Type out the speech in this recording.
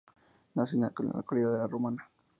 Nace en la localidad de La Romana.